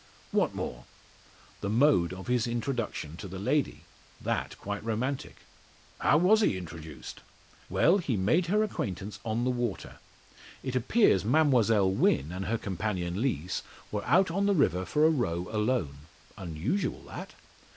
"What more?" "The mode of his introduction to the lady that quite romantic." "How was he introduced?" "Well, he made her acquaintance on the water. It appears Mademoiselle Wynn and her companion Lees, were out on the river for a row alone. Unusual that!